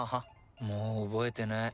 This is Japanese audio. もう覚えてない。